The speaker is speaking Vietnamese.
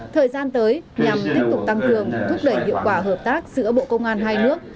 thời gian tới nhằm tiếp tục tăng cường thúc đẩy hiệu quả hợp tác giữa bộ công an hai nước